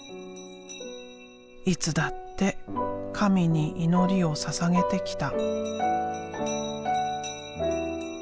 いつだって神に祈りをささげてきた。